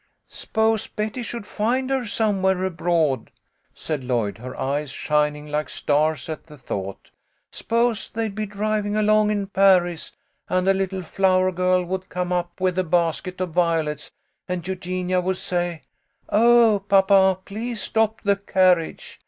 " S'pose Betty should find her somewhere abroad," said Lloyd, her eyes shining like stars at the thought. " S'pose they'd be driving along in Paris, and a little flower girl would come up with a basket of violets, and Eugenia would say, 'Oh, papa, please stop the carriage.